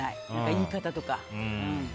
言い方とか。